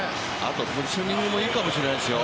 ポジショニングもいいかもしれないですよ。